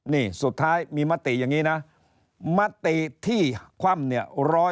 นี่สุดท้ายมีมติอย่างนี้นะมติที่คว่ำเนี่ย